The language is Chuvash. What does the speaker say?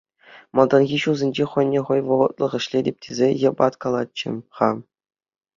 Малтанхи ҫулсенче хӑйне хӑй вӑхӑтлӑх ӗҫлетӗп тесе йӑпаткалатчӗ-ха.